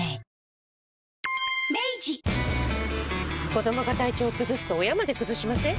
子どもが体調崩すと親まで崩しません？